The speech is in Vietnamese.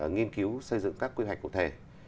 nghiên cứu xây dựng các quy hoạch cụ thể